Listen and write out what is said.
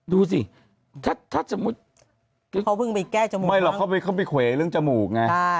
ดูสิถ้าเจ้าผึ้งไมโจ๊ดไมเหล่าก็ไม่เข้าไปเข้าไปเข้าไปหุยเรื่องจมูกไง